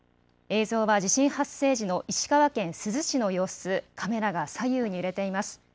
映像は地震発生時の石川県珠洲市の様子、カメラが左右に揺れています。